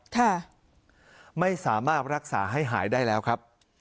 ค่ะไม่สามารถรักษาให้หายได้แล้วครับ